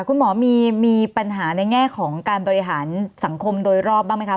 คุณหมอมีปัญหาในแง่ของการบริหารสังคมโดยรอบบ้างไหมคะ